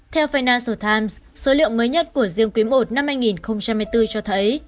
theo financial times số liệu mới nhất của riêng quý i năm hai nghìn một mươi bốn cho thấy